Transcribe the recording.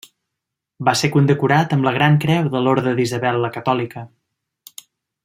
Va ser condecorat amb la gran creu de l'Orde d'Isabel la Catòlica.